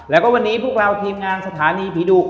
แล้วก็วันนี้พวกเราทีมงานสถานีผีดุ